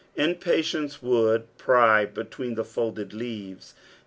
Impatience would pry between the folded leaves.